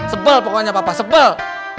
sebel pokoknya papa sebel